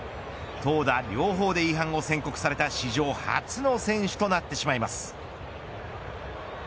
投打両方で違反を宣告された史上初の選手となってしまいます。